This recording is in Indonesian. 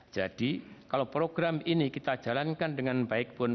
jadi kalau program ini kita jalankan dengan baik pun